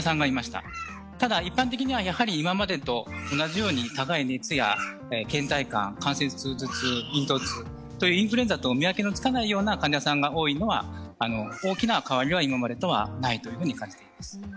ただ、一般的には今までと同じように高い熱やけん怠感、関節痛、頭痛、咽頭痛とインフルエンザと見分けのつかないような患者さんが多いのは大きな変わりは今までとはないということです。